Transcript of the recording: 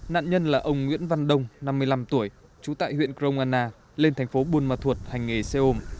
nạn nhân là ông nguyễn văn đông năm mươi năm tuổi trú tại huyện grong anna lên thành phố buôn ma thuột hành nghề xe ôm